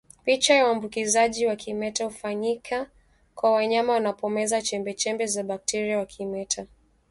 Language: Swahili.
Picha Uambukizaji wa kimeta hufanyika kwa wanyama wanapomeza chembechembe za bakteria wa kimeta